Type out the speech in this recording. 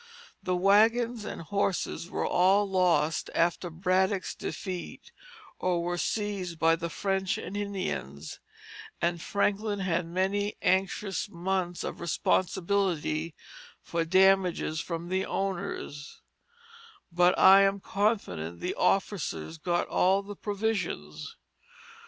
The wagons and horses were all lost after Braddock's defeat, or were seized by the French and Indians, and Franklin had many anxious months of responsibility for damages from the owners; but I am confident the officers got all the provisions.